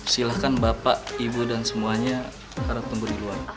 silahkan bapak ibu dan semuanya harus tunggu di ruang